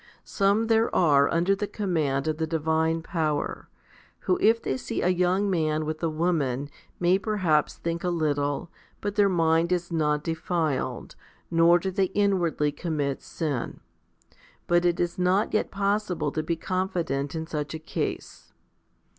Some there are under the command of the divine power, who if they see a young man with a woman may perhaps think a little, but their mind is not denied, nor do they inwardly commit sin; but it is not yet possible to be confident in such a case.